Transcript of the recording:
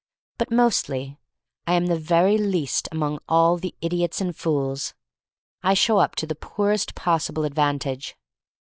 But mostly I am the very least among all the idiots and fools. I show up to the poorest possible advantage.